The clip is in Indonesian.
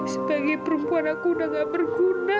sebagai perempuan aku udah gak berguna